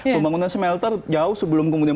pembangunan smelter jauh sebelum kemudian